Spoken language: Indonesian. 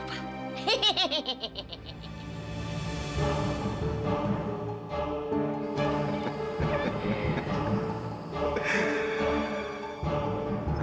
tidak ada foto